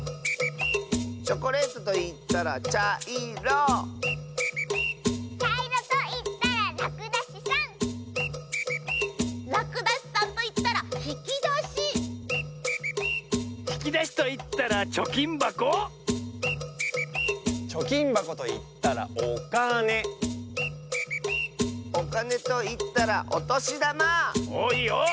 チョコレートといったらちゃいろちゃいろといったららくだしさんらくだしさんといったらひきだしひきだしといったらちょきんばこちょきんばこといったらおかねおかねといったらおとしだまおっいいよ。